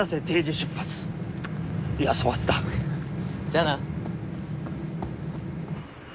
じゃあな。